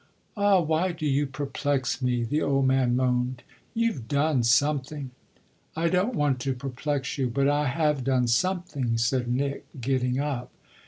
"Ah why do you perplex me?" the old man moaned. "You've done something." "I don't want to perplex you, but I have done something," said Nick, getting up.